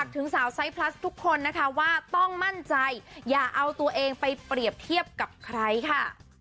ถึงสาวไซส์พลัสทุกคนนะคะว่าต้องมั่นใจอย่าเอาตัวเองไปเปรียบเทียบกับใครค่ะ